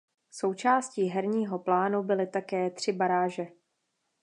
Součástí herního plánu byly také tři baráže.